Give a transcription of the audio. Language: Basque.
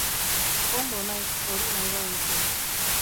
Joango naiz, hori nahi baduzu.